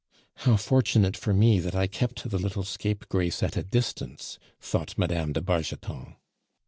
"How fortunate for me that I kept the little scapegrace at a distance!" thought Madame de Bargeton.